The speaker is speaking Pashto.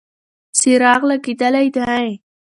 څراغ لګېدلی دی.